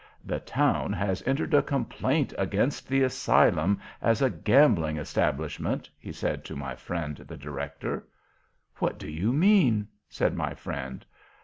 "The town has entered a complaint against the Asylum as a gambling establishment," he said to my friend, the Director. "What do you mean?" said my friend.